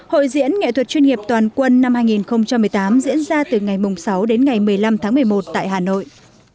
hội diễn nghệ thuật chuyên nghiệp toàn quân năm hai nghìn một mươi tám diễn ra từ ngày sáu đến ngày một mươi năm tháng một mươi một tại hà nội